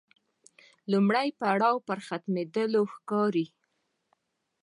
لومړی پړاو پر ختمېدلو ښکاري.